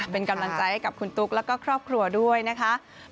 เป็นกำลังใจให้กับคุณตุ๊กแล้วก็ครอบครัวด้วยนะคะ